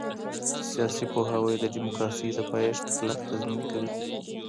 سياسي پوهاوی د ديموکراسۍ د پايښت کلک تضمين کوي.